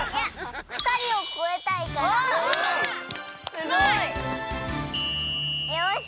すごい！よし！